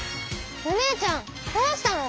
お姉ちゃんどうしたの⁉